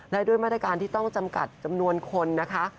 และด้วยมาตรการที่ต้องจำกัดจำนวนคนนะคะ